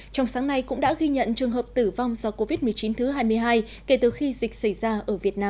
trong sáng nay cũng đã ghi nhận trường hợp tử vong do covid một mươi chín thứ hai mươi hai kể từ khi dịch xảy ra ở việt nam